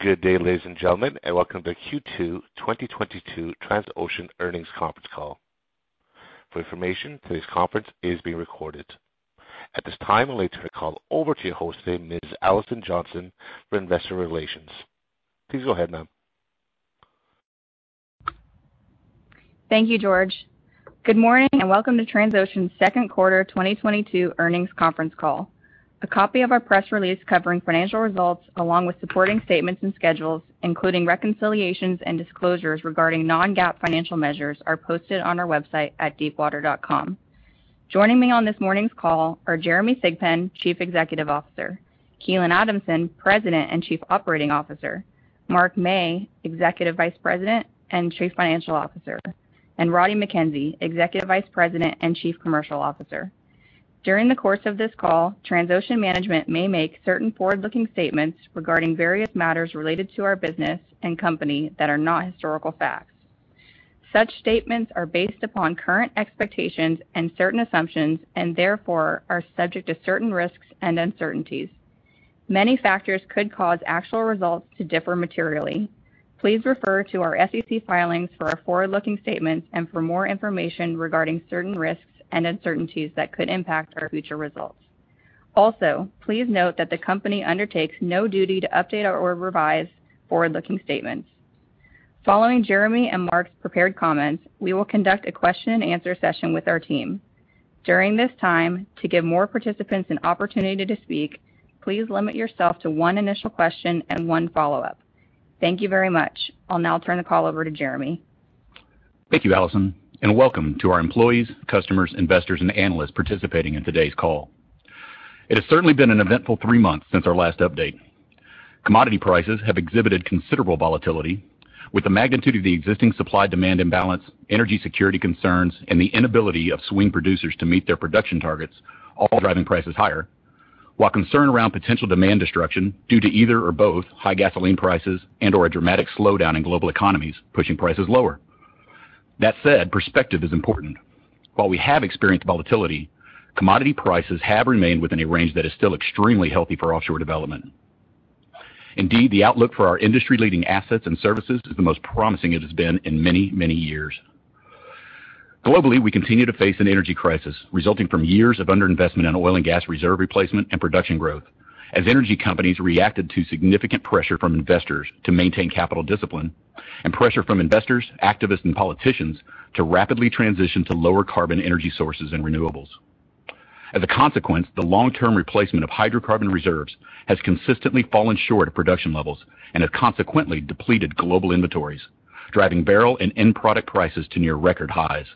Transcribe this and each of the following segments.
Good day, ladies and gentlemen, and welcome to Q2 2022 Transocean Earnings Conference Call. For information, today's conference is being recorded. At this time, I'd like to turn the call over to your host today, Ms. Alison Johnson from Investor Relations. Please go ahead, ma'am. Thank you, George. Good morning, and welcome to Transocean's second-quarter 2022 earnings conference call. A copy of our press release covering financial results along with supporting statements and schedules, including reconciliations and disclosures regarding non-GAAP financial measures, is available on our website at deepwater.com. Joining me on this morning's call are Jeremy Thigpen, Chief Executive Officer, Keelan Adamson, President and Chief Operating Officer, Mark Mey, Executive Vice President and Chief Financial Officer, and Roddie Mackenzie, Executive Vice President and Chief Commercial Officer. During this call, Transocean management may make certain forward-looking statements regarding various matters related to our business and company that are not historical facts. Such statements are based upon current expectations and certain assumptions, and therefore are subject to certain risks and uncertainties. Many factors could cause actual results to differ materially. Please refer to our SEC filings for our forward-looking statements and for more information regarding certain risks and uncertainties that could impact our future results. Also, please note that the company undertakes no duty to update or revise forward-looking statements. Following Jeremy and Mark's prepared comments, we will conduct a question-and-answer session with our team. During this time, to give more participants an opportunity to speak, please limit yourself to one initial question and one follow-up. Thank you very much. I'll now turn the call over to Jeremy. Thank you, Alison, and welcome to our employees, customers, investors, and analysts participating in today's call. It has certainly been an eventful three months since our last update. Commodity prices have exhibited considerable volatility, with the magnitude of the existing supply-demand imbalance, energy security concerns, and the inability of swing producers to meet their production targets all driving prices higher. While concern around potential demand destruction due to either or both high gasoline prices and/or a dramatic slowdown in global economies is pushing prices lower. That said, perspective is important. While we have experienced volatility, commodity prices have remained within a range that is still extremely healthy for offshore development. Indeed, the outlook for our industry-leading assets and services is the most promising it has been in many years. Globally, we continue to face an energy crisis resulting from years of underinvestment in oil and gas reserve replacement and production growth as energy companies reacted to significant pressure from investors to maintain capital discipline and pressure from investors, activists, and politicians to rapidly transition to lower carbon energy sources and renewables. As a consequence, the long-term replacement of hydrocarbon reserves has consistently fallen short of production levels and has consequently depleted global inventories, driving barrel and end-product prices to near record highs.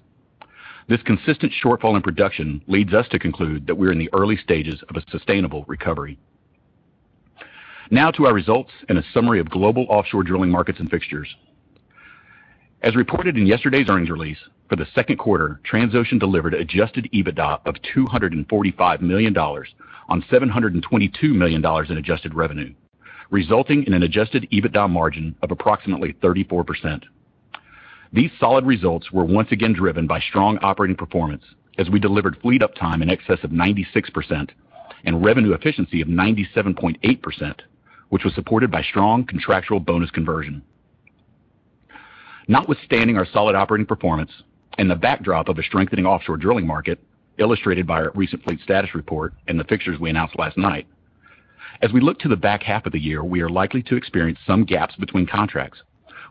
This consistent shortfall in production leads us to conclude that we're in the early stages of a sustainable recovery. Now to our results and a summary of global offshore drilling markets and fixtures. As reported in yesterday's earnings release, for the second quarter, Transocean delivered adjusted EBITDA of $245 million on $722 million in adjusted revenue, resulting in an adjusted EBITDA margin of approximately 34%. These solid results were once again driven by strong operating performance as we delivered fleet uptime in excess of 96% and revenue efficiency of 97.8%, which was supported by strong contractual bonus conversion. Notwithstanding our solid operating performance and the backdrop of a strengthening offshore drilling market illustrated by our recent fleet status report and the fixtures we announced last night, as we look to the back half of the year, we are likely to experience some gaps between contracts,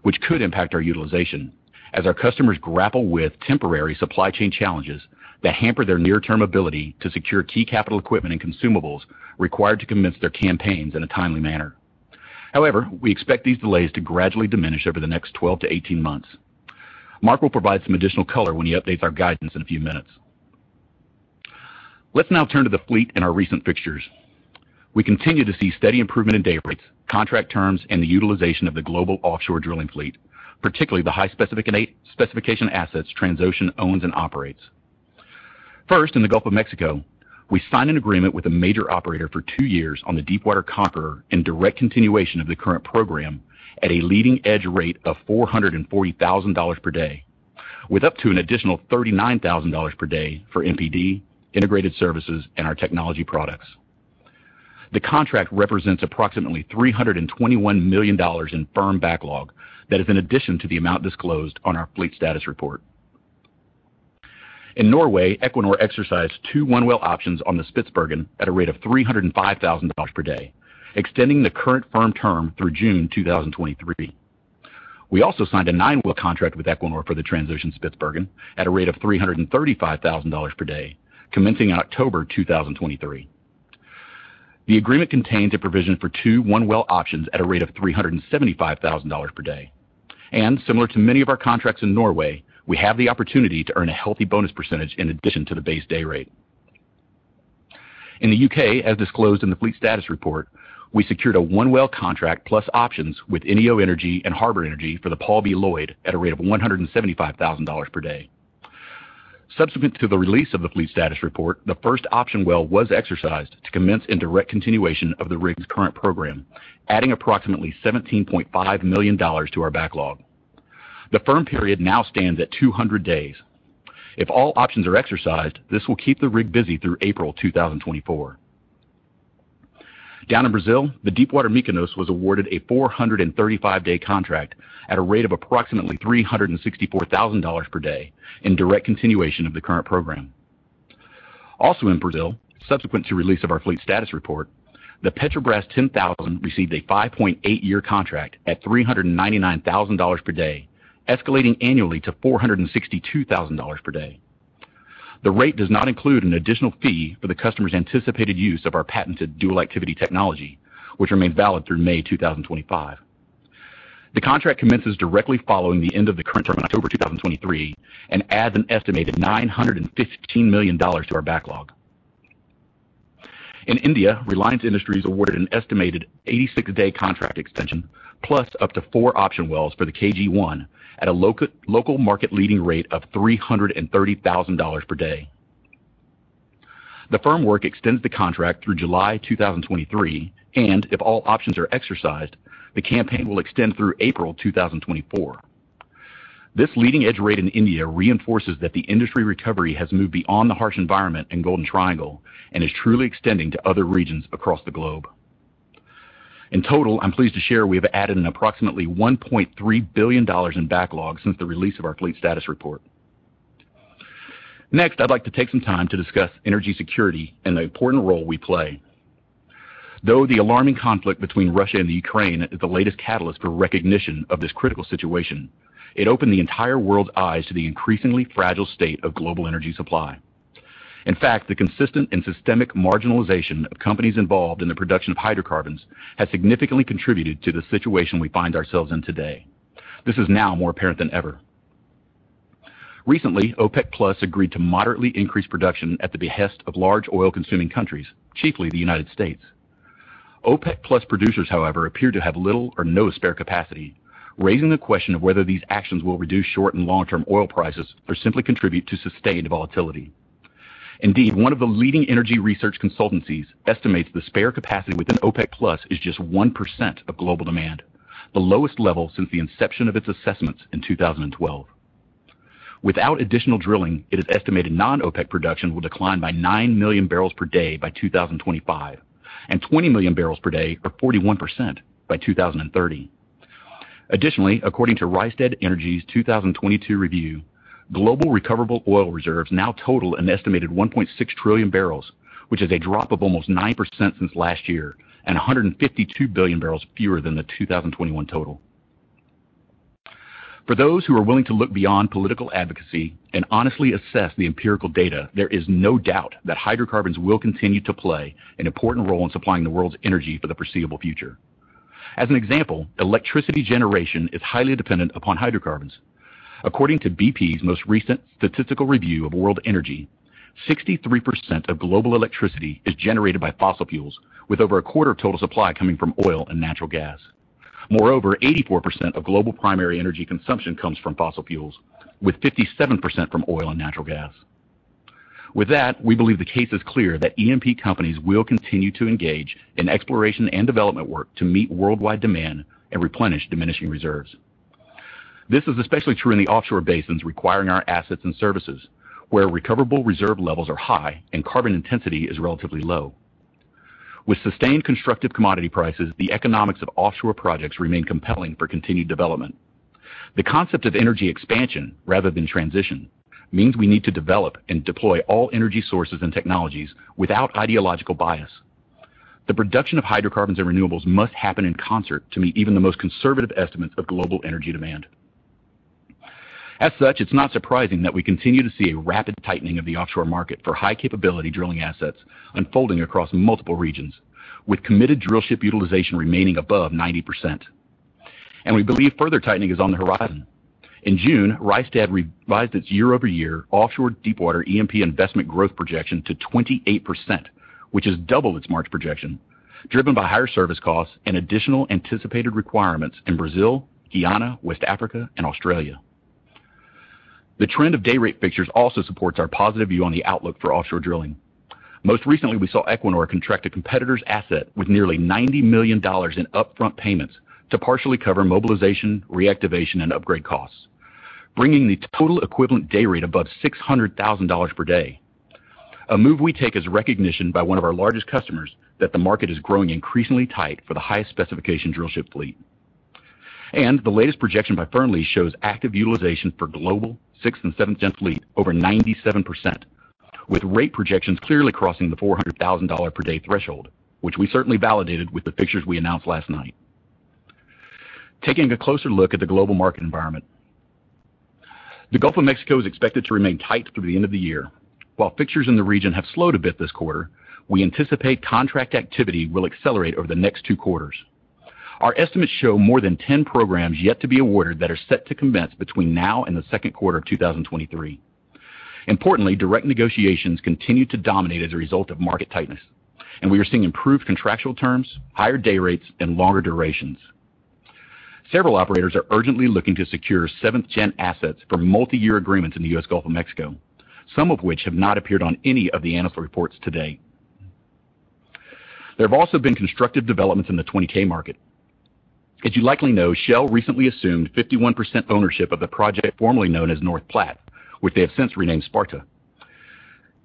which could impact our utilization as our customers grapple with temporary supply chain challenges that hamper their near-term ability to secure key capital equipment and consumables required to commence their campaigns in a timely manner. However, we expect these delays to gradually diminish over the next 12 to 18 months. Mark will provide some additional color when he updates our guidance in a few minutes. Let's now turn to the fleet and our recent fixtures. We continue to see steady improvement in day rates, contract terms, and the utilization of the global offshore drilling fleet, particularly the high-specification assets Transocean owns and operates. First, in the Gulf of Mexico, we signed an agreement with a major operator for two years on the Deepwater Conqueror in direct continuation of the current program at a leading-edge rate of $440,000 per day, with up to an additional $39,000 per day for MPD, integrated services, and our technology products. The contract represents approximately $321 million in firm backlog that is in addition to the amount disclosed on our fleet status report. In Norway, Equinor exercised two one-well options on the Spitsbergen at a rate of $305,000 per day, extending the current firm term through June 2023. We also signed a nine-well contract with Equinor for the Transocean Spitsbergen at a rate of $335,000 per day, commencing in October 2023. The agreement contains a provision for two one-well options at a rate of $375,000 per day. Similar to many of our contracts in Norway, we have the opportunity to earn a healthy bonus percentage in addition to the base day rate. In the U.K., as disclosed in the fleet status report, we secured a one-well contract plus options with INEOS Energy and Harbour Energy for the Paul B. Loyd, Jr. at a rate of $175,000 per day. Subsequent to the release of the fleet status report, the first option well was exercised to commence in direct continuation of the rig's current program, adding approximately $17.5 million to our backlog. The firm period now stands at 200 days. If all options are exercised, this will keep the rig busy through April 2024. Down in Brazil, the Deepwater Mykonos was awarded a 435-day contract at a rate of approximately $364,000 per day in direct continuation of the current program. Also in Brazil, subsequent to release of our fleet status report, the Petrobras 10000 received a 5.8-year contract at $399,000 per day, escalating annually to $462,000 per day. The rate does not include an additional fee for the customer's anticipated use of our patented dual-activity technology, which remained valid through May 2025. The contract commences directly following the end of the current term in October 2023 and adds an estimated $915 million to our backlog. In India, Reliance Industries awarded an estimated 86-day contract extension, plus up to four option wells for the KG-1 at a local market-leading rate of $330,000 per day. The firm work extends the contract through July 2023, and if all options are exercised, the campaign will extend through April 2024. This leading-edge rate in India reinforces that the industry recovery has moved beyond the harsh environment in Golden Triangle and is truly extending to other regions across the globe. In total, I'm pleased to share we have added approximately $1.3 billion in backlog since the release of our fleet status report. Next, I'd like to take some time to discuss energy security and the important role we play. Though the alarming conflict between Russia and Ukraine is the latest catalyst for recognition of this critical situation, it opened the entire world's eyes to the increasingly fragile state of global energy supply. In fact, the consistent and systemic marginalization of companies involved in the production of hydrocarbons has significantly contributed to the situation we find ourselves in today. This is now more apparent than ever. Recently, OPEC+ agreed to moderately increase production at the behest of large oil-consuming countries, chiefly the United States. OPEC+ producers, however, appear to have little or no spare capacity, raising the question of whether these actions will reduce short and long-term oil prices or simply contribute to sustained volatility. Indeed, one of the leading energy research consultancies estimates the spare capacity within OPEC+ is just 1% of global demand, the lowest level since the inception of its assessments in 2012. Without additional drilling, it is estimated non-OPEC production will decline by 9 million barrels per day by 2025, and 20 million barrels per day or 41% by 2030. Additionally, according to Rystad Energy's 2022 review, global recoverable oil reserves now total an estimated 1.6 trillion barrels, which is a drop of almost 9% since last year and 152 billion barrels fewer than the 2021 total. For those who are willing to look beyond political advocacy and honestly assess the empirical data, there is no doubt that hydrocarbons will continue to play an important role in supplying the world's energy for the foreseeable future. As an example, electricity generation is highly dependent upon hydrocarbons. According to BP's most recent statistical review of world energy, 63% of global electricity is generated by fossil fuels, with over a quarter of total supply coming from oil and natural gas. Moreover, 84% of global primary energy consumption comes from fossil fuels, with 57% from oil and natural gas. With that, we believe the case is clear that E&P companies will continue to engage in exploration and development work to meet worldwide demand and replenish diminishing reserves. This is especially true in the offshore basins requiring our assets and services, where recoverable reserve levels are high and carbon intensity is relatively low. With sustained constructive commodity prices, the economics of offshore projects remain compelling for continued development. The concept of energy expansion rather than transition means we need to develop and deploy all energy sources and technologies without ideological bias. The production of hydrocarbons and renewables must happen in concert to meet even the most conservative estimates of global energy demand. As such, it's not surprising that we continue to see a rapid tightening of the offshore market for high-capability drilling assets unfolding across multiple regions with committed drillship utilization remaining above 90%. We believe further tightening is on the horizon. In June, Rystad revised its year-over-year offshore deepwater E&P investment growth projection to 28%, which is double its March projection, driven by higher service costs and additional anticipated requirements in Brazil, Guyana, West Africa and Australia. The trend of day-rate fixtures also supports our positive view on the outlook for offshore drilling. Most recently, we saw Equinor contract a competitor's asset with nearly $90 million in upfront payments to partially cover mobilization, reactivation, and upgrade costs, bringing the total equivalent day rate above $600,000 per day. A move we take as recognition by one of our largest customers that the market is growing increasingly tight for the highest specification drillship fleet. The latest projection by Fearnleys shows active utilization for global 6th and 7th-gen fleet over 97%, with rate projections clearly crossing the $400,000 per day threshold, which we certainly validated with the fixtures we announced last night. Taking a closer look at the global market environment. The Gulf of Mexico is expected to remain tight through the end of the year. While fixtures in the region have slowed a bit this quarter, we anticipate contract activity will accelerate over the next two quarters. Our estimates show more than 10 programs yet to be awarded that are set to commence between now and the second quarter of 2023. Importantly, direct negotiations continue to dominate as a result of market tightness, and we are seeing improved contractual terms, higher day rates and longer durations. Several operators are urgently looking to secure seventh-gen assets for multi-year agreements in the U.S. Gulf of Mexico, some of which have not appeared on any of the analyst reports to date. There have also been constructive developments in the 20K market. As you likely know, Shell recently assumed 51% ownership of the project formerly known as North Platte, which they have since renamed Sparta.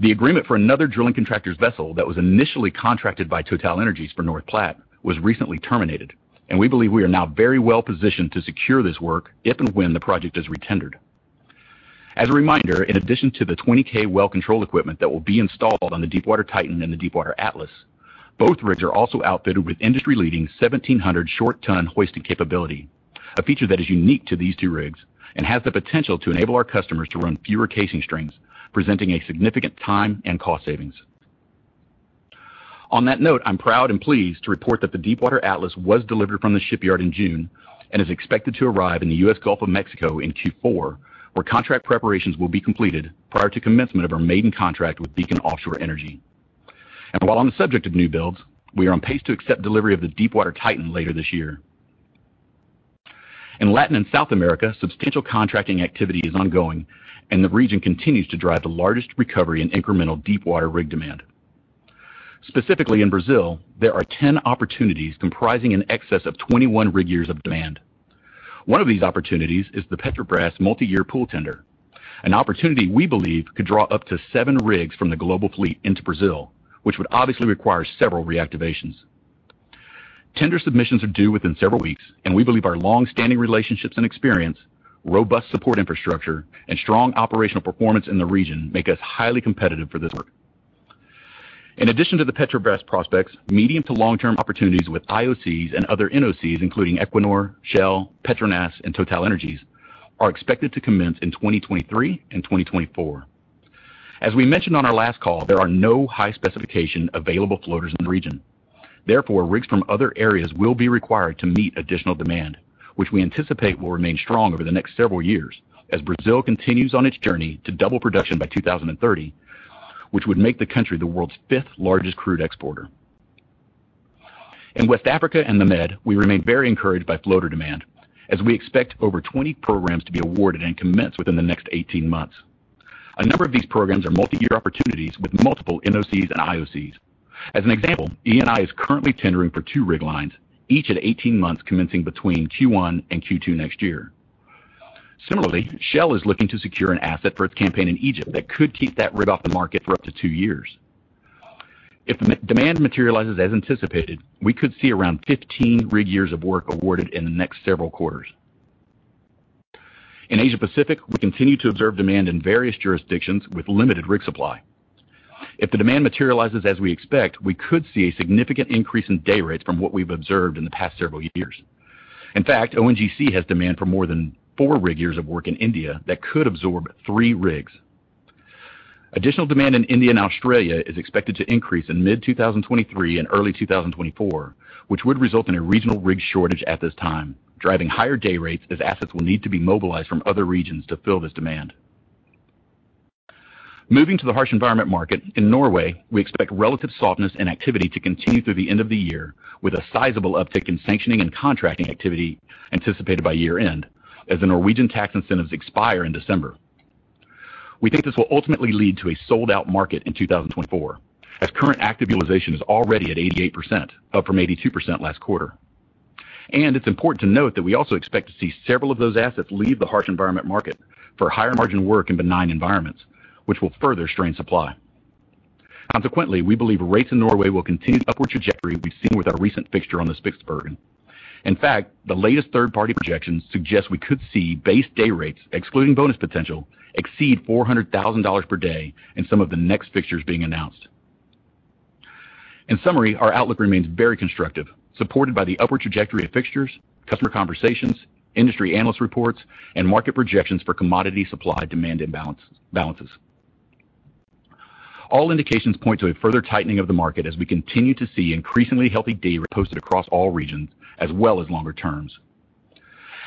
The agreement for another drilling contractor's vessel that was initially contracted by TotalEnergies for North Platte was recently terminated, and we believe we are now very well-positioned to secure this work if and when the project is re-tendered. As a reminder, in addition to the 20K well control equipment that will be installed on the Deepwater Titan and the Deepwater Atlas, both rigs are also outfitted with industry-leading 1,700 short ton hoisting capability, a feature that is unique to these two rigs and has the potential to enable our customers to run fewer casing strings, presenting a significant time and cost savings. On that note, I'm proud and pleased to report that the Deepwater Atlas was delivered from the shipyard in June and is expected to arrive in the U.S. Gulf of Mexico in Q4, where contract preparations will be completed prior to commencement of our maiden contract with Beacon Offshore Energy. While on the subject of new builds, we are on pace to accept delivery of the Deepwater Titan later this year. In Latin and South America, substantial contracting activity is ongoing, and the region continues to drive the largest recovery in incremental deepwater rig demand. Specifically in Brazil, there are 10 opportunities comprising an excess of 21 rig years of demand. One of these opportunities is the Petrobras multiyear pool tender, an opportunity we believe could draw up to 7 rigs from the global fleet into Brazil, which would obviously require several reactivations. Tender submissions are due within several weeks, and we believe our long-standing relationships and experience, robust support infrastructure, and strong operational performance in the region make us highly competitive for this work. In addition to the Petrobras prospects, medium- to long-term opportunities with IOCs and other NOCs, including Equinor, Shell, PETRONAS, and TotalEnergies, are expected to commence in 2023 and 2024. As we mentioned on our last call, there are no high-specification available floaters in the region. Therefore, rigs from other areas will be required to meet additional demand, which we anticipate will remain strong over the next several years as Brazil continues on its journey to double production by 2030, which would make the country the world's fifth-largest crude exporter. In West Africa and the Med, we remain very encouraged by floater demand as we expect over 20 programs to be awarded and commenced within the next 18 months. A number of these programs are multi-year opportunities with multiple NOCs and IOCs. As an example, Eni is currently tendering for two rig lines, each at 18 months commencing between Q1 and Q2 next year. Similarly, Shell is looking to secure an asset for its campaign in Egypt that could keep that rig off the market for up to two years. If demand materializes as anticipated, we could see around 15 rig years of work awarded in the next several quarters. In Asia Pacific, we continue to observe demand in various jurisdictions with limited rig supply. If the demand materializes as we expect, we could see a significant increase in day rates from what we've observed in the past several years. In fact, ONGC has demand for more than four rig years of work in India that could absorb three rigs. Additional demand in India and Australia is expected to increase in mid-2023 and early 2024, which would result in a regional rig shortage at this time, driving higher day rates as assets will need to be mobilized from other regions to fill this demand. Moving to the harsh environment market, in Norway, we expect relative softness and activity to continue through the end of the year with a sizable uptick in sanctioning and contracting activity anticipated by year-end as the Norwegian tax incentives expire in December. We think this will ultimately lead to a sold-out market in 2024, as current active utilization is already at 88%, up from 82% last quarter. It's important to note that we also expect to see several of those assets leave the harsh environment market for higher-margin work in benign environments, which will further strain supply. Consequently, we believe rates in Norway will continue the upward trajectory we've seen with our recent fixture on the Spitsbergen. In fact, the latest third-party projections suggest we could see base day rates, excluding bonus potential, exceed $400,000 per day in some of the next fixtures being announced. In summary, our outlook remains very constructive, supported by the upward trajectory of fixtures, customer conversations, industry analyst reports, and market projections for commodity supply-demand imbalances. All indications point to a further tightening of the market as we continue to see increasingly healthy day rates posted across all regions, as well as longer terms.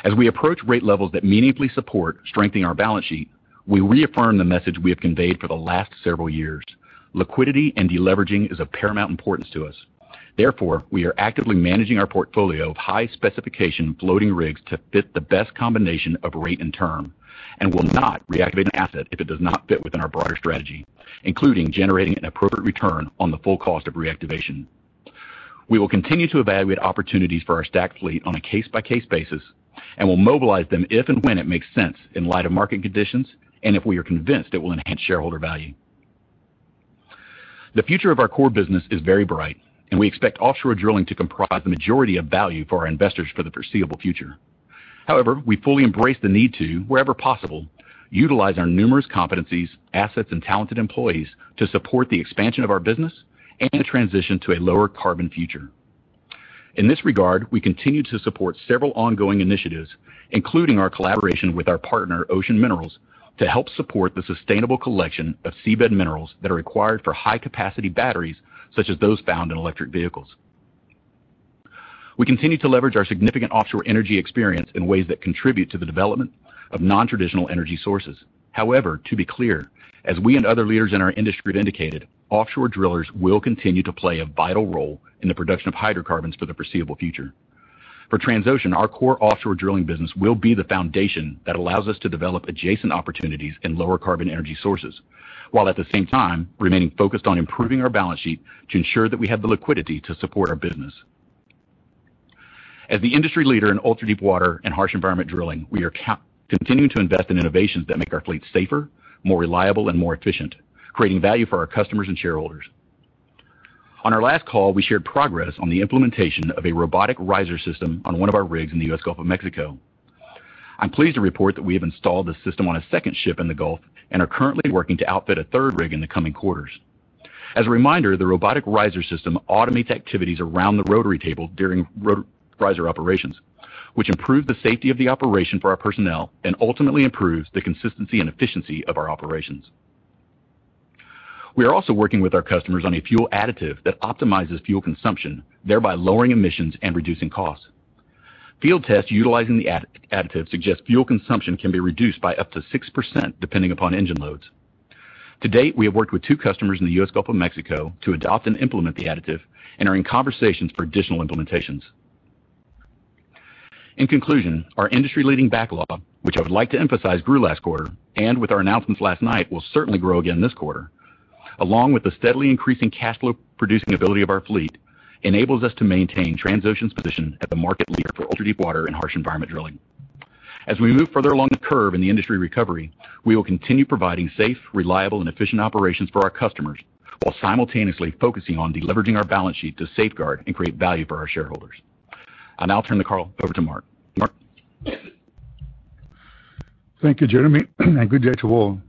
As we approach rate levels that meaningfully support strengthening our balance sheet, we reaffirm the message we have conveyed for the last several years. Liquidity and deleveraging is of paramount importance to us. Therefore, we are actively managing our portfolio of high-specification floating rigs to fit the best combination of rate and term and will not reactivate an asset if it does not fit within our broader strategy, including generating an appropriate return on the full cost of reactivation. We will continue to evaluate opportunities for our stacked fleet on a case-by-case basis, and we'll mobilize them if and when it makes sense in light of market conditions and if we are convinced it will enhance shareholder value. The future of our core business is very bright, and we expect offshore drilling to comprise the majority of value for our investors for the foreseeable future. However, we fully embrace the need to, wherever possible, utilize our numerous competencies, assets, and talented employees to support the expansion of our business and to transition to a lower carbon future. In this regard, we continue to support several ongoing initiatives, including our collaboration with our partner, Ocean Minerals, to help support the sustainable collection of seabed minerals that are required for high-capacity batteries such as those found in electric vehicles. We continue to leverage our significant offshore energy experience in ways that contribute to the development of non-traditional energy sources. However, to be clear, as we and other leaders in our industry have indicated, offshore drillers will continue to play a vital role in the production of hydrocarbons for the foreseeable future. For Transocean, our core offshore drilling business will be the foundation that allows us to develop adjacent opportunities in lower carbon energy sources, while at the same time remaining focused on improving our balance sheet to ensure that we have the liquidity to support our business. As the industry leader in ultra-deepwater and harsh-environment drilling, we are continuing to invest in innovations that make our fleet safer, more reliable and more efficient, creating value for our customers and shareholders. On our last call, we shared progress on the implementation of a robotic riser system on one of our rigs in the U.S. Gulf of Mexico. I'm pleased to report that we have installed the system on a second ship in the Gulf and are currently working to outfit a third rig in the coming quarters. As a reminder, the robotic riser system automates activities around the rotary table during riser operations, which improve the safety of the operation for our personnel and ultimately improves the consistency and efficiency of our operations. We are also working with our customers on a fuel additive that optimizes fuel consumption, thereby lowering emissions and reducing costs. Field tests utilizing the additive suggest fuel consumption can be reduced by up to 6%, depending upon engine loads. To date, we have worked with two customers in the U.S. Gulf of Mexico to adopt and implement the additive and are in conversations for additional implementations. In conclusion, our industry-leading backlog, which I would like to emphasize, grew last quarter, and with our announcements last night, will certainly grow again this quarter, along with the steadily increasing cash flow-producing ability of our fleet, enables us to maintain Transocean's position as the market leader for ultra-deep water and harsh environment drilling. As we move further along the curve in the industry recovery, we will continue providing safe, reliable, and efficient operations for our customers, while simultaneously focusing on deleveraging our balance sheet to safeguard and create value for our shareholders. I'll now turn the call over to Mark. Mark? Thank you, Jeremy, and good day to all.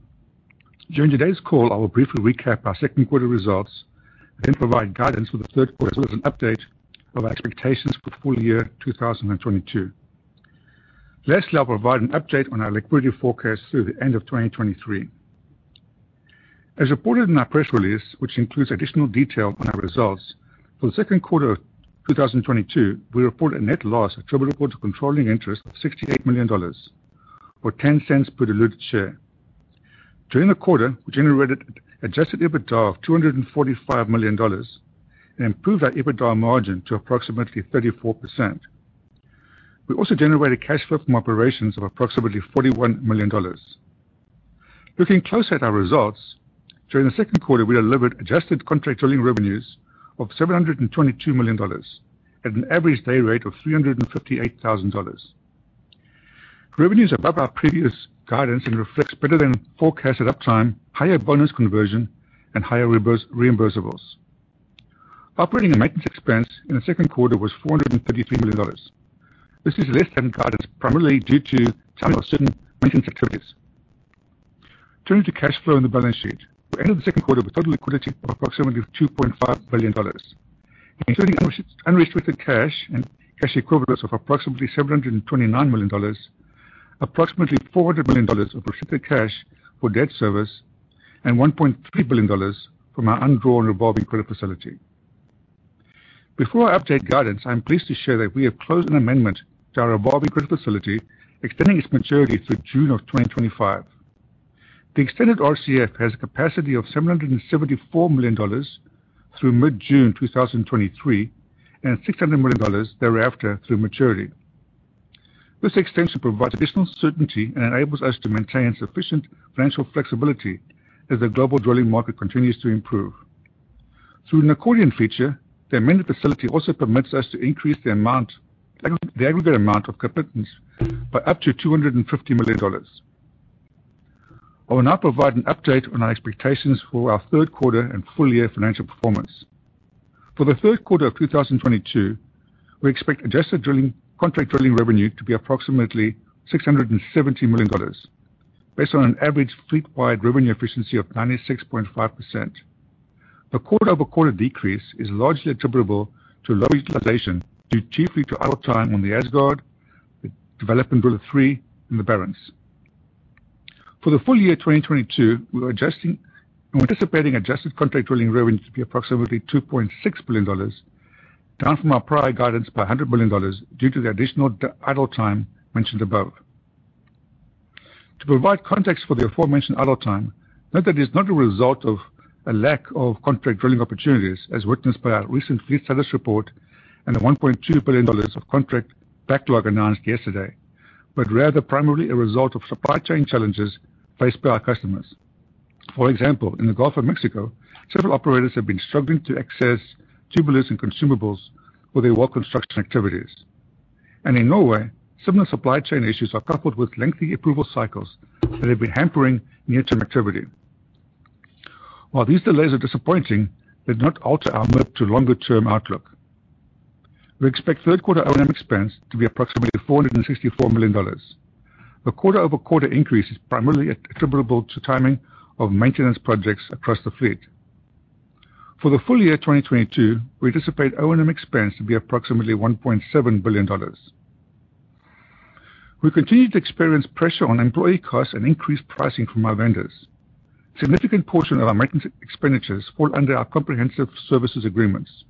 During today's call, I will briefly recap our second-quarter results and then provide guidance for the third quarter, as well as an update of our expectations for full year 2022. Lastly, I'll provide an update on our liquidity forecast through the end of 2023. As reported in our press release, which includes additional detail on our results, for the second quarter of 2022, we report a net loss attributable to controlling interest of $68 million or $0.10 per diluted share. During the quarter, we generated adjusted EBITDA of $245 million and improved our EBITDA margin to approximately 34%. We also generated cash flow from operations of approximately $41 million. Looking close at our results, during the second quarter we delivered adjusted contract drilling revenues of $722 million at an average day-rate of $358,000. Revenues above our previous guidance and reflects better than forecasted uptime, higher bonus conversion and higher reimbursables. Operating and maintenance expense in the second quarter was $433 million. This is less than guidance, primarily due to timing of certain maintenance activities. Turning to cash flow and the balance sheet, we ended the second quarter with total liquidity of approximately $2.5 billion, including unrestricted cash and cash equivalents of approximately $729 million, approximately $400 million of restricted cash for debt service, and $1.3 billion from our undrawn revolving credit facility. Before I update guidance, I'm pleased to share that we have closed an amendment to our revolving credit facility, extending its maturity through June 2025. The extended RCF has capacity of $774 million through mid-June 2023 and $600 million thereafter through maturity. This extension provides additional certainty and enables us to maintain sufficient financial flexibility as the global drilling market continues to improve. Through an accordion feature, the amended facility also permits us to increase the amount, the aggregate amount of commitments by up to $250 million. I will now provide an update on our expectations for our third quarter and full year financial performance. For the third quarter of 2022, we expect adjusted contract drilling revenue to be approximately $670 million based on an average fleet-wide revenue efficiency of 96.5%. The quarter-over-quarter decrease is largely attributable to low utilization due chiefly to idle time on the Asgard, Development Driller III, and the Barents. For the full year 2022, we're anticipating adjusted contract drilling revenue to be approximately $2.6 billion, down from our prior guidance by $100 million due to the additional idle time mentioned above. To provide context for the aforementioned idle time, note that it is not a result of a lack of contract drilling opportunities as witnessed by our recent fleet status report and the $1.2 billion of contract backlog announced yesterday, but rather primarily a result of supply chain challenges faced by our customers. For example, in the Gulf of Mexico, several operators have been struggling to access tubulars and consumables for their well construction activities. In Norway, similar supply chain issues are coupled with lengthy approval cycles that have been hampering near-term activity. While these delays are disappointing, they do not alter our medium- to longer-term outlook. We expect third quarter O&M expense to be approximately $464 million. The quarter-over-quarter increase is primarily attributable to timing of maintenance projects across the fleet. For the full year 2022, we anticipate O&M expense to be approximately $1.7 billion. We continue to experience pressure on employee costs and increased pricing from our vendors. A significant portion of our maintenance expenditures fall under our comprehensive services agreements.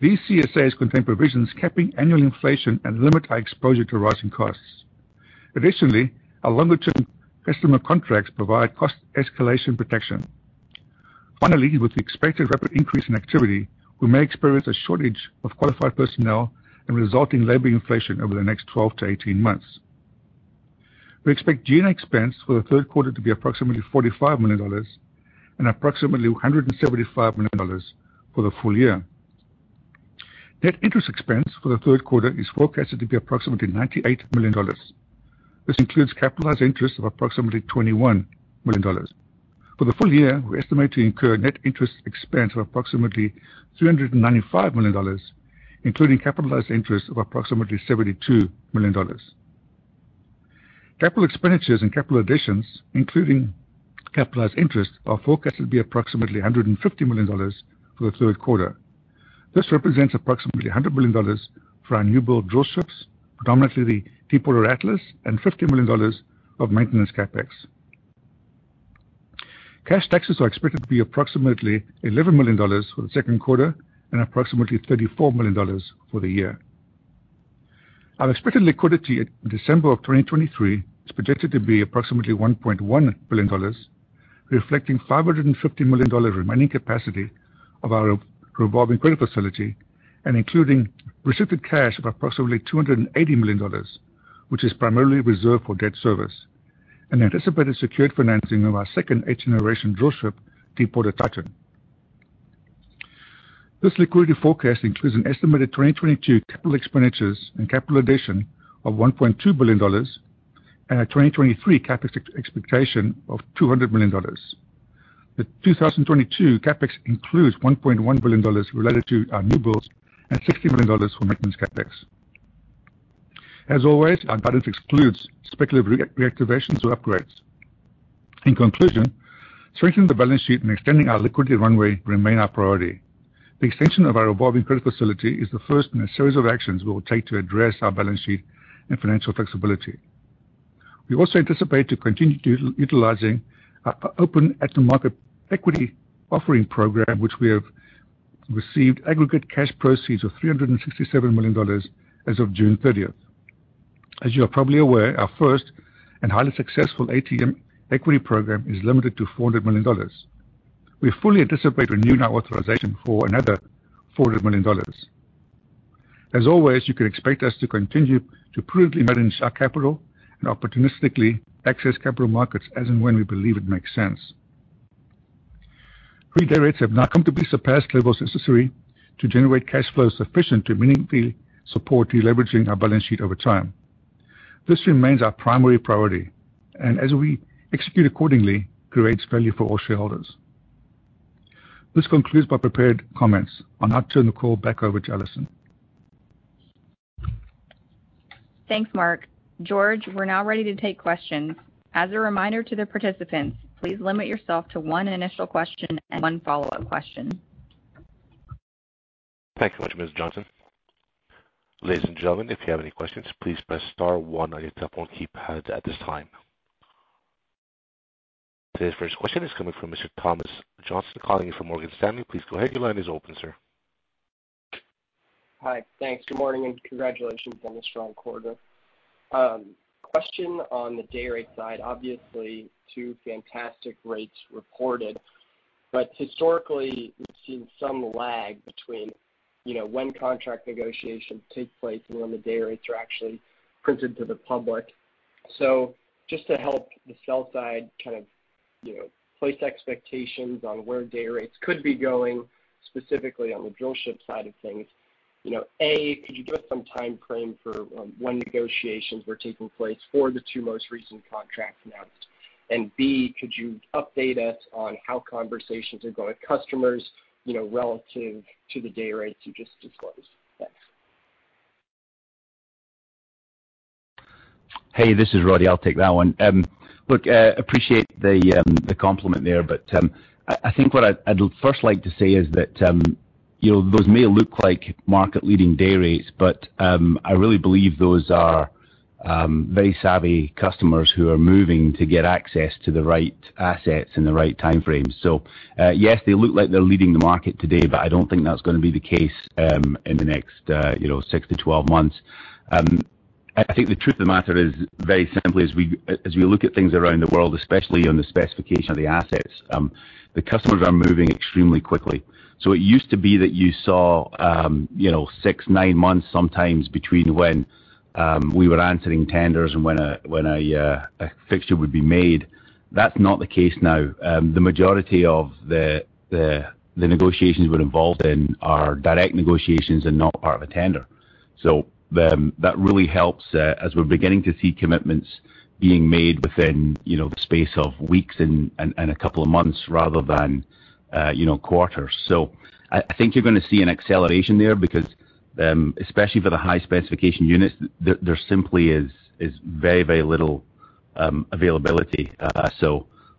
These CSAs contain provisions capping annual inflation and limit our exposure to rising costs. Additionally, our longer-term customer contracts provide cost escalation protection. Finally, with the expected rapid increase in activity, we may experience a shortage of qualified personnel and resulting labor inflation over the next 12 to 18 months. We expect G&A expense for the third quarter to be approximately $45 million and approximately $175 million for the full year. Net interest expense for the third quarter is forecasted to be approximately $98 million. This includes capitalized interest of approximately $21 million. For the full year, we estimate to incur net interest expense of approximately $395 million, including capitalized interest of approximately $72 million. Capital expenditures and capital additions, including capitalized interest, are forecasted to be approximately $150 million for the third quarter. This represents approximately $100 million for our new build drill ships, predominantly the Deepwater Atlas, and $50 million of maintenance CapEx. Cash taxes are expected to be approximately $11 million for the second quarter and approximately $34 million for the year. Our expected liquidity at December of 2023 is projected to be approximately $1.1 billion, reflecting $550 million remaining capacity of our revolving credit facility and including restricted cash of approximately $280 million, which is primarily reserved for debt service, and anticipated secured financing of our second high-innovation drill ship, Deepwater Titan. This liquidity forecast includes an estimated 2022 capital expenditures and capital addition of $1.2 billion and a 2023 CapEx expectation of $200 million. The 2022 CapEx includes $1.1 billion related to our new builds and $60 million for maintenance CapEx. As always, our guidance excludes speculative re-reactivations or upgrades. In conclusion, strengthening the balance sheet and extending our liquidity runway remain our priority. The extension of our revolving credit facility is the first in a series of actions we will take to address our balance sheet and financial flexibility. We also anticipate continuing to utilize our at-the-market equity offering program, which we have received aggregate cash proceeds of $367 million as of June 30. As you are probably aware, our first and highly successful ATM equity program is limited to $400 million. We fully anticipate renewing our authorization for another $400 million. As always, you can expect us to continue to prudently manage our capital and opportunistically access capital markets as and when we believe it makes sense. Fleet day rates have now come to surpass levels necessary to generate cash flow sufficient to meaningfully support deleveraging our balance sheet over time. This remains our primary priority, and as we execute accordingly, creates value for all shareholders. This concludes my prepared comments. I'll now turn the call back over to Alison. Thanks, Mark. George, we're now ready to take questions. As a reminder to the participants, please limit yourself to one initial question and one follow-up question. Thank you much, Alison Johnson. Ladies and gentlemen, if you have any questions, please press star one on your telephone keypad at this time. Today's first question is coming from Mr. Thomas Johnson calling in from Morgan Stanley. Please go ahead. Your line is open, sir. Hi. Thanks. Good morning, and congratulations on the strong quarter. Question on the day-rate side, obviously two fantastic rates reported. Historically we've seen some lag between, you know, when contract negotiations take place and when the day rates are actually printed to the public. Just to help the sell side kind of, you know, place expectations on where day rates could be going, specifically on the drillship side of things. You know, A, could you give us some timeframe for, when negotiations were taking place for the two most recent contracts announced? B, could you update us on how conversations are going with customers, you know, relative to the day rates you just disclosed? Thanks. Hey, this is Roddie. I'll take that one. Look, I appreciate the compliment there, but I think what I'd first like to say is that, you know, those may look like market-leading day rates, but I really believe those are very savvy customers who are moving to get access to the right assets in the right time frames. Yes, they look like they're leading the market today, but I don't think that's gonna be the case in the next, you know, six to 12 months. I think the truth of the matter is very simply, as we look at things around the world, especially on the specification of the assets, the customers are moving extremely quickly. It used to be that you saw, you know, six to nine months sometimes between when we were answering tenders and when a fixture would be made. That's not the case now. The majority of the negotiations we're involved in are direct negotiations and not part of a tender. That really helps as we're beginning to see commitments being made within, you know, the space of weeks and a couple of months rather than, you know, quarters. I think you're gonna see an acceleration there because, especially for the high specification units, there simply is very, very little availability.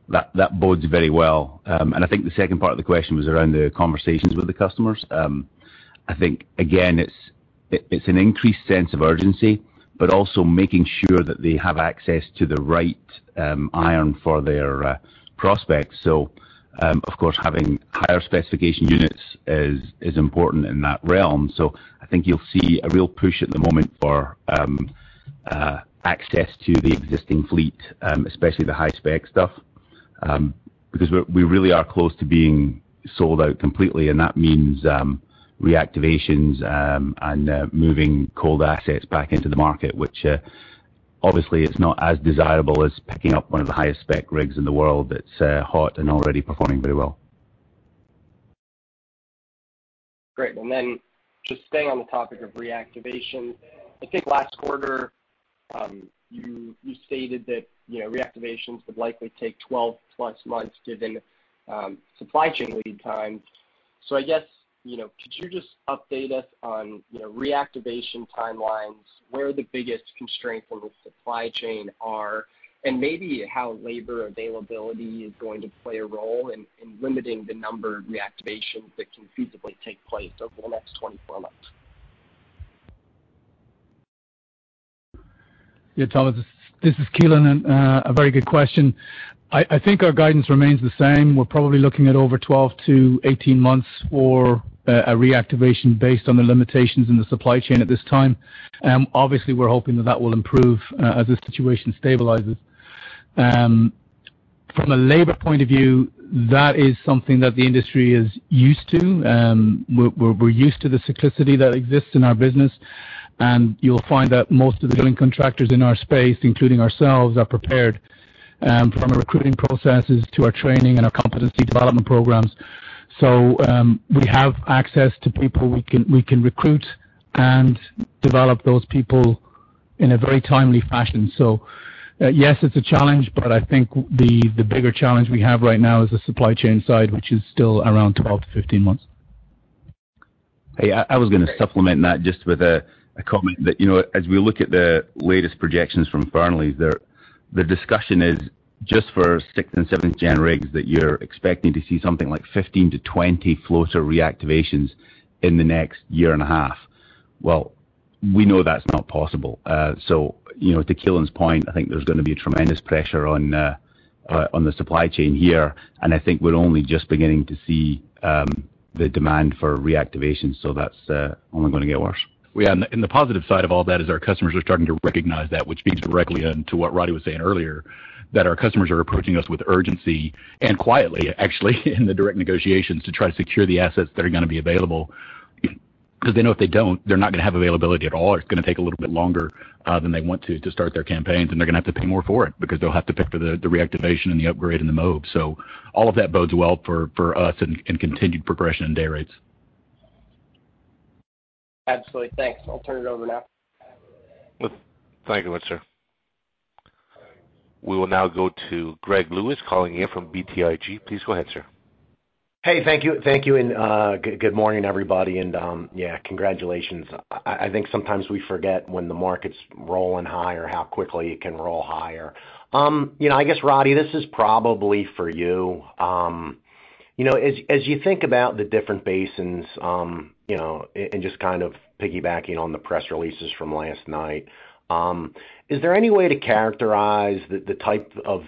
That bodes very well. I think the second part of the question was around the conversations with the customers. I think again, it's an increased sense of urgency, but also making sure that they have access to the right iron for their prospects. Of course, having higher specification units is important in that realm. I think you'll see a real push at the moment for access to the existing fleet, especially the high-spec stuff. Because we really are close to being sold out completely, and that means reactivations and moving cold assets back into the market, which obviously is not as desirable as picking up one of the highest spec rigs in the world that's hot and already performing very well. Great. Just staying on the topic of reactivation. I think last quarter, you stated that, you know, reactivations would likely take more than 12 months given supply chain lead time. I guess, you know, could you just update us on, you know, reactivation timelines, where the biggest constraints on the supply chain are, and maybe how labor availability is going to play a role in limiting the number of reactivations that can feasibly take place over the next 24 months? Yeah, Thomas, this is Keelan, and a very good question. I think our guidance remains the same. We're probably looking at over 12 to 18 months for a reactivation based on the limitations in the supply chain at this time. Obviously, we're hoping that will improve as the situation stabilizes. From a labor point of view, that is something that the industry is used to. We're used to the cyclicity that exists in our business, and you'll find that most of the drilling contractors in our space, including ourselves, are prepared from our recruiting processes to our training and our competency development programs. We have access to people we can recruit and develop those people in a very timely fashion. Yes, it's a challenge, but I think the bigger challenge we have right now is the supply chain side, which is still around 12 to 15 months. Hey, I was gonna supplement that just with a comment that, you know, as we look at the latest projections from Fearnleys, they're the discussion is just for sixth and seventh-gen rigs that you're expecting to see something like 15 to 20 floater reactivations in the next year and a half. Well, we know that's not possible. So, you know, to Keelan's point, I think there's gonna be tremendous pressure on the supply chain here, and I think we're only just beginning to see the demand for reactivation. That's only gonna get worse. The positive side of all that is our customers are starting to recognize that, which speaks directly to what Roddy was saying earlier, that our customers are approaching us with urgency and quietly, actually, in the direct negotiations to try to secure the assets that are gonna be available 'cause they know if they don't, they're not gonna have availability at all. It's gonna take a little bit longer than they want to start their campaigns, and they're gonna have to pay more for it because they'll have to pay for the reactivation and the upgrade and the move. All of that bodes well for us in continued progression in day rates. Absolutely. Thanks. I'll turn it over now. Thank you, sir. We will now go to Gregory Lewis calling in from BTIG. Please go ahead, sir. Hey, thank you, and good morning, everybody. Yeah, congratulations. I think sometimes we forget when the market's rolling higher, how quickly it can roll higher. You know, I guess, Roddy, this is probably for you. You know, as you think about the different basins, you know, and just kind of piggybacking on the press releases from last night, is there any way to characterize the type of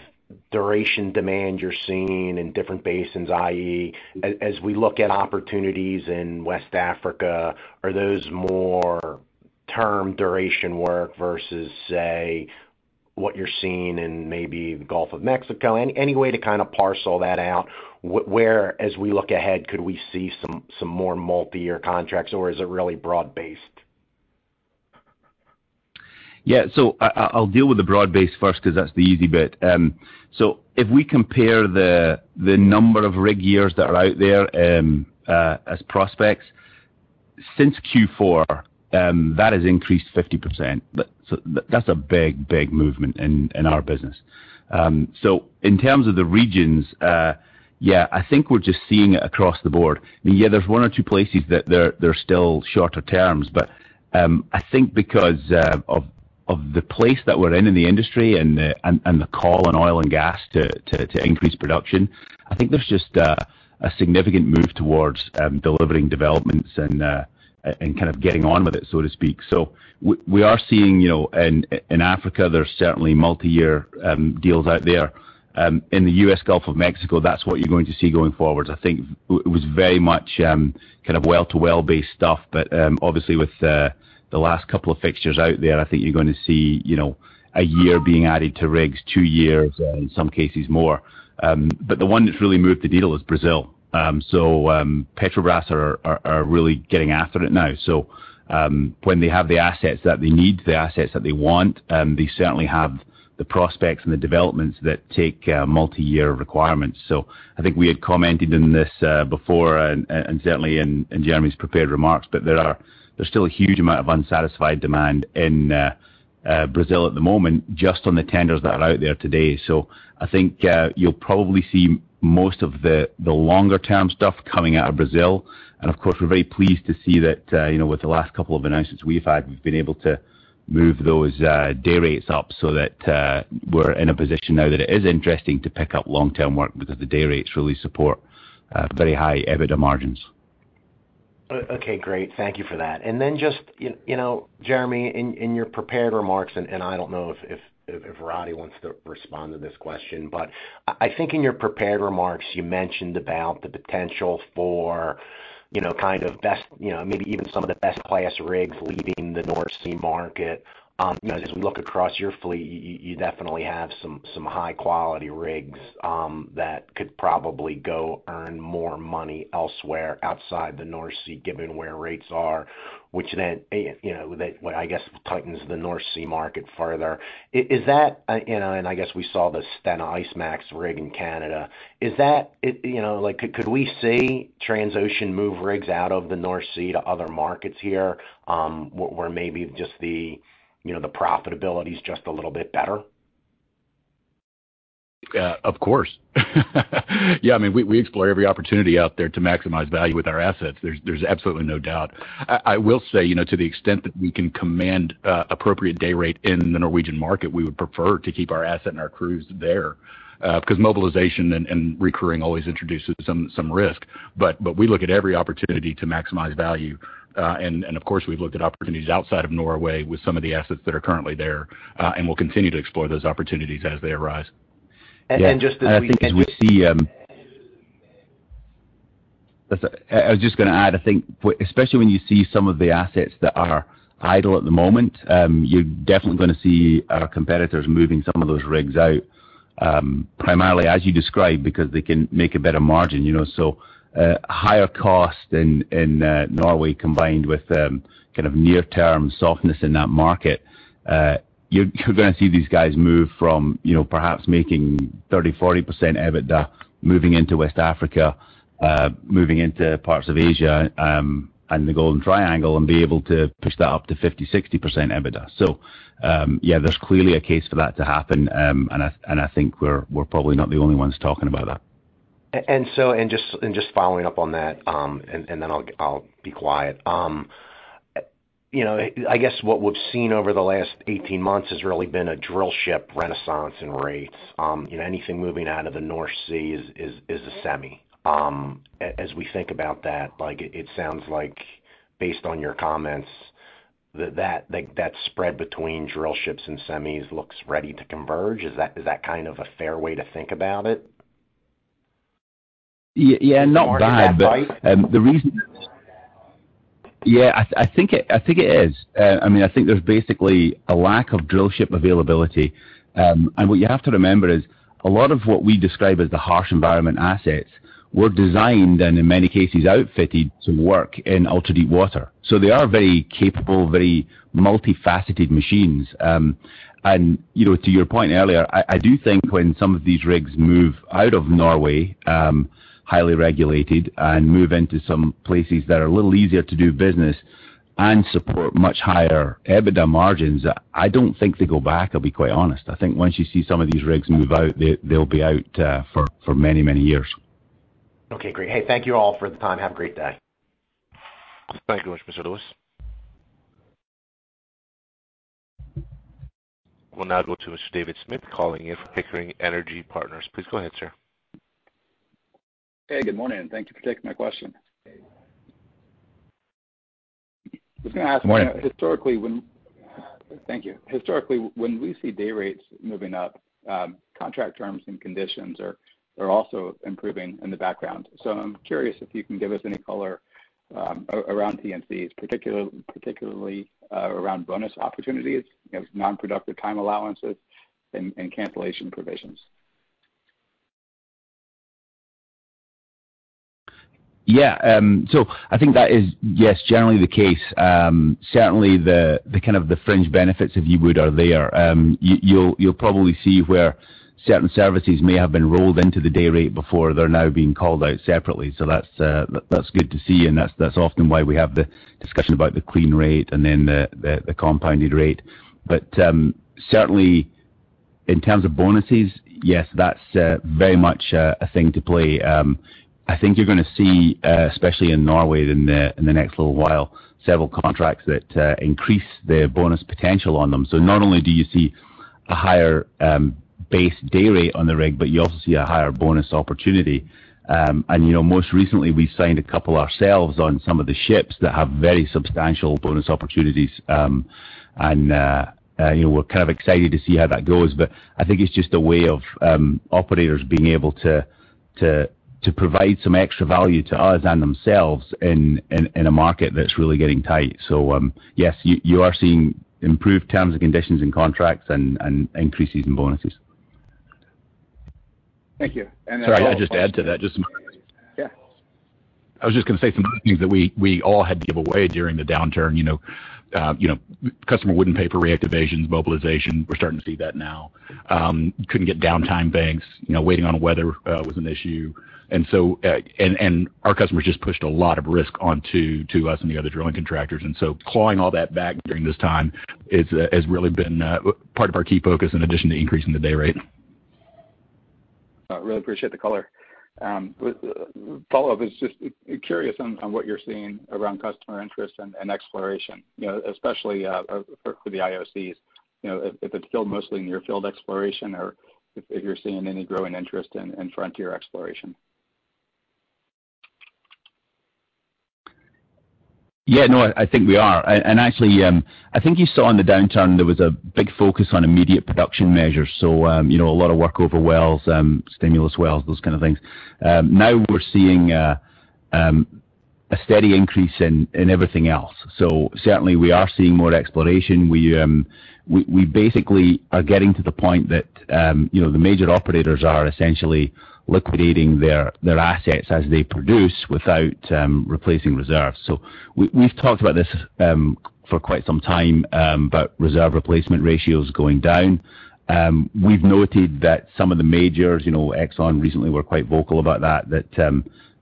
duration demand you're seeing in different basins? I.e., as we look at opportunities in West Africa, are those more term duration work versus, say, what you're seeing in maybe the Gulf of Mexico? Any way to kind of parcel that out, where, as we look ahead, could we see some more multiyear contracts, or is it really broad-based? Yeah. I'll deal with the broad-based first 'cause that's the easy bit. If we compare the number of rig years that are out there as prospects since Q4, that has increased 50%. That's a big movement in our business. In terms of the regions, yeah, I think we're just seeing it across the board. I mean, yeah, there's one or two places that they're still shorter terms, but I think because of the place that we're in in the industry and the call in oil and gas to increase production, I think there's just a significant move towards delivering developments and kind of getting on with it, so to speak. We are seeing, you know... In Africa, there's certainly multiyear deals out there. In the U.S. Gulf of Mexico, that's what you're going to see going forward. I think it was very much kind of well-to-well-based stuff. Obviously with the last couple of fixtures out there, I think you're gonna see, you know, a year being added to rigs, two years, in some cases more. The one that's really moved the needle is Brazil. Petrobras are really getting after it now. When they have the assets that they need, the assets that they want, they certainly have the prospects and the developments that take multiyear requirements. I think we had commented on this, before and certainly in Jeremy's prepared remarks, but there's still a huge amount of unsatisfied demand in Brazil at the moment just on the tenders that are out there today. I think you'll probably see most of the longer-term stuff coming out of Brazil. Of course, we're very pleased to see that, you know, with the last couple of announcements we've had, we've been able to move those day rates up so that we're in a position now that it is interesting to pick up long-term work because the day-rates really support very high EBITDA margins. Okay, great. Thank you for that. Then just, you know, Jeremy, in your prepared remarks, I don't know if Roddy wants to respond to this question, but I think in your prepared remarks, you mentioned about the potential for you know, kind of best, you know, maybe even some of the best class rigs leaving the North Sea market. As we look across your fleet, you definitely have some high quality rigs that could probably go earn more money elsewhere outside the North Sea, given where rates are, which then, you know, that I guess tightens the North Sea market further. Is that, you know, I guess we saw the Stena IceMAX rig in Canada. Is that, you know, like could we see Transocean move rigs out of the North Sea to other markets here, where maybe just the, you know, the profitability is just a little bit better? Yeah, of course. Yeah. I mean, we explore every opportunity out there to maximize value with our assets. There's absolutely no doubt. I will say, you know, to the extent that we can command an appropriate day rate in the Norwegian market, we would prefer to keep our asset and our crews there, because mobilization and demobilization always introduces some risk. We look at every opportunity to maximize value. Of course, we've looked at opportunities outside of Norway with some of the assets that are currently there, and we'll continue to explore those opportunities as they arise. Just as we can. I think as we see. I was just gonna add, I think especially when you see some of the assets that are idle at the moment, you're definitely gonna see our competitors moving some of those rigs out, primarily as you described, because they can make a better margin, you know. Higher costs in Norway, combined with kind of near-term softness in that market, you're gonna see these guys move from, you know, perhaps making 30%-40% EBITDA moving into West Africa, moving into parts of Asia, and the Golden Triangle and be able to push that up to 50%-60% EBITDA. Yeah, there's clearly a case for that to happen. I think we're probably not the only ones talking about that. Just following up on that, and then I'll be quiet. You know, I guess what we've seen over the last 18 months has really been a drillship renaissance in rates. You know, anything moving out of the North Sea is a semi. As we think about that, like, it sounds like based on your comments that, like, that spread between drillships and semis looks ready to converge. Is that kind of a fair way to think about it? Yeah, not bad. Is the market that tight? I think it is. I mean, I think there's basically a lack of drillship availability. What you have to remember is a lot of what we describe as the harsh-environment assets were designed, and in many cases, outfitted to work in ultra-deepwater. So they are very capable, very multifaceted machines. You know, to your point earlier, I do think when some of these rigs move out of Norway, highly regulated, and move into some places that are a little easier to do business and support much higher EBITDA margins, I don't think they go back. I'll be quite honest. I think once you see some of these rigs move out, they'll be out for many years. Okay, great. Hey, thank you all for the time. Have a great day. Thank you very much, Mr. Lewis. We'll now go to Mr. David Smith calling in from Pickering Energy Partners. Please go ahead, sir. Hey, good morning. Thank you for taking my question. Good morning. Historically, when we see day rates moving up, contract terms and conditions are also improving in the background. I'm curious if you can give us any color around T&Cs, particularly around bonus opportunities, you know, non-productive time allowances and cancellation provisions. Yeah. So I think that is, yes, generally the case. Certainly the kind of fringe benefits, if you would, are there. You'll probably see where certain services may have been rolled into the day rate before they're now being called out separately. So that's good to see. That's often why we have the discussion about the clean rate and then the compounded rate. Certainly in terms of bonuses, yes, that's very much a thing to play. I think you're gonna see, especially in Norway in the next little while, several contracts that increase their bonus potential on them. So not only do you see a higher base day rate on the rig, but you also see a higher bonus opportunity. You know, most recently we signed a couple ourselves on some of the ships that have very substantial bonus opportunities. You know, we're kind of excited to see how that goes. I think it's just a way of operators being able to provide some extra value to us and themselves in a market that's really getting tight. Yes, you are seeing improved terms and conditions in contracts and increases in bonuses. Thank you. Sorry, can I just add to that. Yeah. I was just gonna say some of the things that we all had to give away during the downturn, you know. You know, customer wouldn't pay for reactivations, mobilization. We're starting to see that now. Couldn't get downtime bonuses, you know, waiting on weather, was an issue. Our customers just pushed a lot of risk onto us and the other drilling contractors. Clawing all that back during this time has really been part of our key focus in addition to increasing the day rate. I really appreciate the color. Follow-up is just curious on what you're seeing around customer interest and exploration, you know, especially for the IOCs. You know, if it's still mostly near field exploration or if you're seeing any growing interest in frontier exploration. Yeah, no, I think we are. Actually, I think you saw in the downturn there was a big focus on immediate production measures. You know, a lot of workover wells, stimulation wells, those kind of things. Now we're seeing a steady increase in everything else. Certainly we are seeing more exploration. We basically are getting to the point that you know, the major operators are essentially liquidating their assets as they produce without replacing reserves. We've talked about this for quite some time, but reserve replacement ratio is going down. We've noted that some of the majors, you know, ExxonMobil recently were quite vocal about that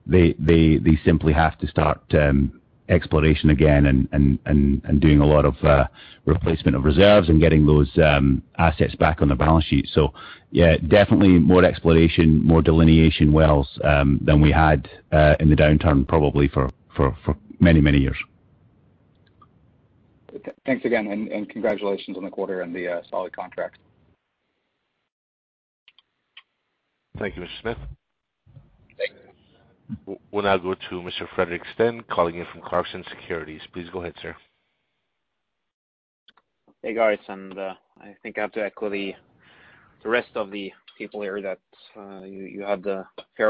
they simply have to start exploration again and doing a lot of replacement of reserves and getting those assets back on their balance sheet. Yeah, definitely more exploration, more delineation wells than we had in the downturn probably for many years. Thanks again and congratulations on the quarter and the solid contracts. Thank you, Mr. Smith. Thanks. We'll now go to Mr. Fredrik Stene calling in from Clarksons Securities. Please go ahead, sir. Hey, guys. I think I have to echo the rest of the people here that you have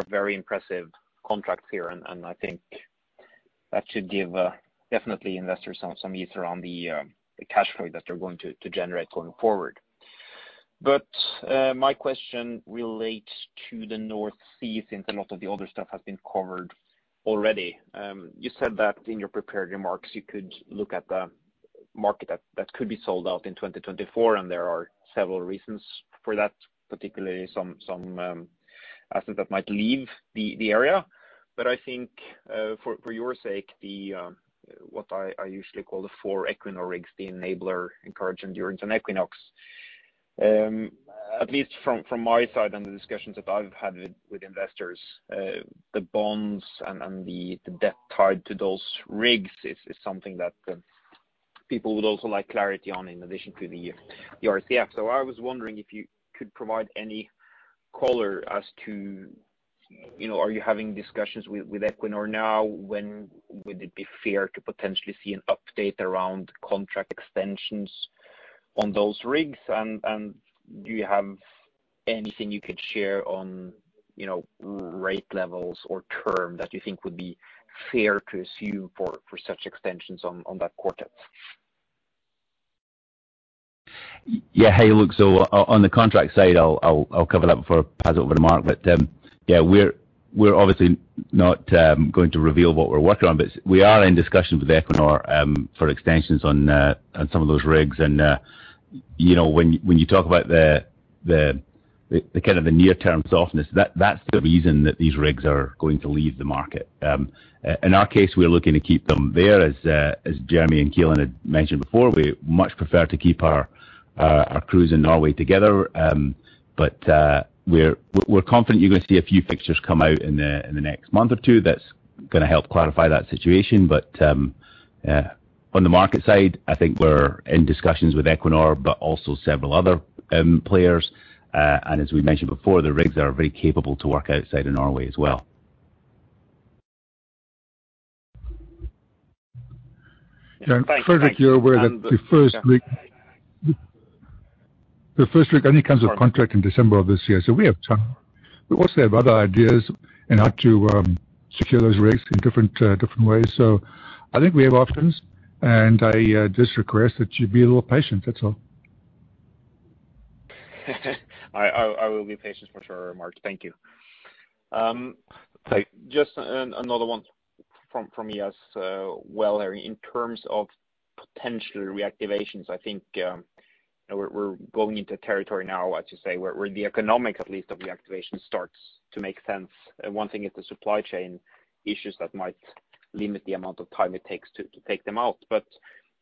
very impressive contracts here, and I think that should give definitely investors some ease around the cash flow that they're going to generate going forward. My question relates to the North Sea, since a lot of the other stuff has been covered already. You said that in your prepared remarks, you could look at the market that could be sold out in 2024, and there are several reasons for that, particularly some assets that might leave the area. I think, for your sake, what I usually call the four Equinor rigs, the Enabler, Encourage, Endurance, and Equinox. At least from my side and the discussions that I've had with investors, the bonds and the debt tied to those rigs is something that people would also like clarity on in addition to the RCF. I was wondering if you could provide any color as to, you know, are you having discussions with Equinor now? When would it be fair to potentially see an update around contract extensions on those rigs? And do you have anything you could share on, you know, rate levels or term that you think would be fair to assume for such extensions on that quartet? On the contract side, I'll cover that before I pass over to Mark. We're obviously not going to reveal what we're working on, but we are in discussions with Equinor for extensions on some of those rigs. You know, when you talk about the kind of the near-term softness, that's the reason that these rigs are going to leave the market. In our case, we're looking to keep them there. As Jeremy and Keelan had mentioned before, we much prefer to keep our crews in Norway together. We're confident you're gonna see a few fixtures come out in the next month or two that's gonna help clarify that situation. Yeah, on the market side, I think we're in discussions with Equinor, but also several other players. As we mentioned before, the rigs are very capable to work outside of Norway as well. Yeah. Fredrik, you're aware that the first rig only comes off contract in December of this year, so we have time. We also have other ideas on how to secure those rigs in different ways. I think we have options, and I just request that you be a little patient, that's all. I will be patient for sure, Mark. Thank you. Thanks. Just another one from me as well, Larry. In terms of potential reactivations, I think we're going into territory now, as you say, where the economics at least of reactivation starts to make sense. One thing is the supply chain issues that might limit the amount of time it takes to take them out.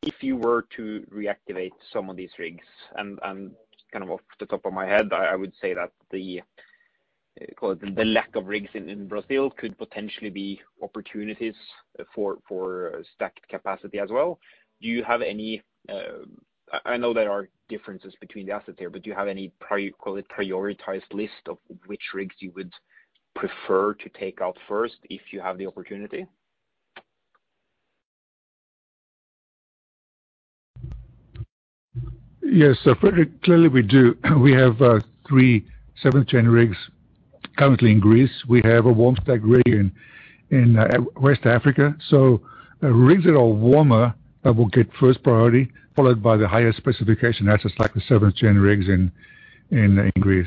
If you were to reactivate some of these rigs and kind of off the top of my head, I would say that call it the lack of rigs in Brazil could potentially be opportunities for stacked capacity as well. Do you have any? I know there are differences between the assets there, but do you have any call it prioritized list of which rigs you would prefer to take out first if you have the opportunity? Yes. Fredrik, clearly we do. We have three seventh-gen rigs currently in Greece. We have a warm stacked rig in West Africa. Rigs that are warmer will get first priority, followed by the highest specification assets like the seventh-gen rigs in Greece.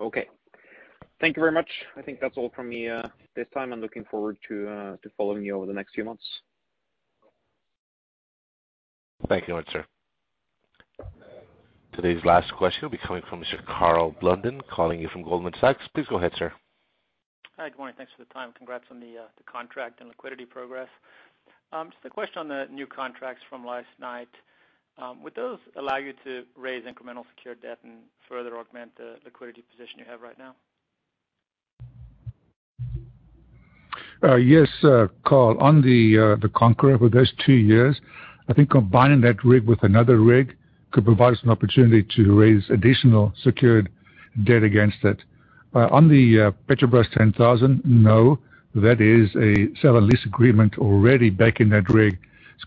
Okay. Thank you very much. I think that's all from me, this time. I'm looking forward to following you over the next few months. Thank you, sir. Today's last question will be coming from Mr. Kurt Hallead calling in from Goldman Sachs. Please go ahead, sir. Hi, good morning. Thanks for the time. Congrats on the contract and liquidity progress. Just a question on the new contracts from last night. Would those allow you to raise incremental secured debt and further augment the liquidity position you have right now? Yes, Kurt, on the Conqueror for those two years, I think combining that rig with another rig could provide us an opportunity to raise additional secured debt against it. On the Petrobras 10000, no, that is a sale and lease agreement already back in that rig's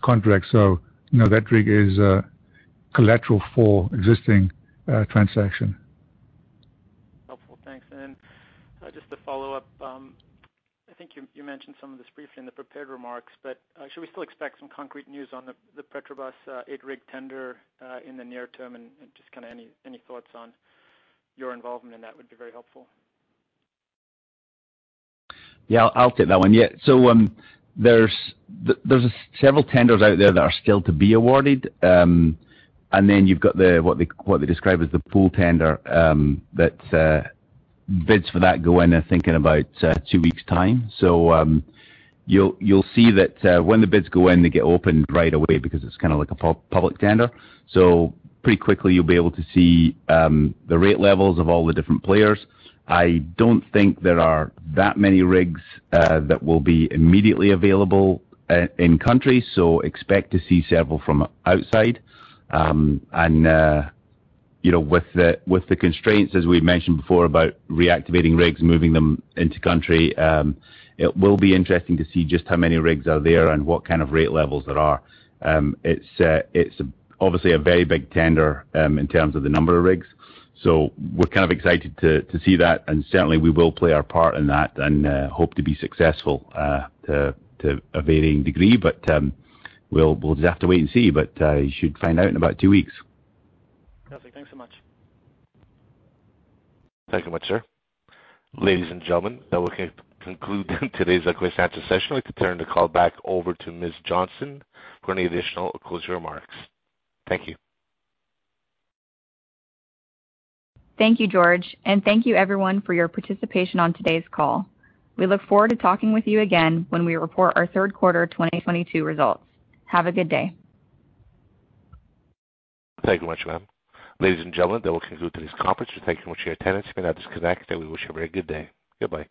contract. No, that rig is a collateral for existing transaction. Helpful. Thanks. Just to follow up, I think you mentioned some of this briefly in the prepared remarks, but should we still expect some concrete news on the Petrobras eight rig tender in the near term? Just kinda any thoughts on your involvement in that would be very helpful. Yeah, I'll take that one. Yeah. There's several tenders out there that are still to be awarded. You've got the what they describe as the full tender that bids for that go in, I think in about two weeks time. You'll see that when the bids go in, they get opened right away because it's kinda like a public tender. Pretty quickly you'll be able to see the rate levels of all the different players. I don't think there are that many rigs that will be immediately available in country, so expect to see several from outside. You know, with the constraints, as we've mentioned before about reactivating rigs, moving them into country, it will be interesting to see just how many rigs are there and what kind of rate levels there are. It's obviously a very big tender in terms of the number of rigs. We're kind of excited to see that, and certainly we will play our part in that and hope to be successful to a varying degree. We'll just have to wait and see. You should find out in about two weeks. Perfect. Thanks so much. Thank you much, sir. Ladies and gentlemen, that will conclude today's question answer session. We return the call back over to Alison Johnson for any additional closing remarks. Thank you. Thank you, George, and thank you everyone for your participation on today's call. We look forward to talking with you again when we report our third quarter 2022 results. Have a good day. Thank you much, ma'am. Ladies and gentlemen, that will conclude today's conference. Thank you much for your attendance. You may now disconnect, and we wish you a very good day. Goodbye.